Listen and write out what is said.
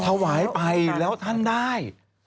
ถวายไปแล้วท่านได้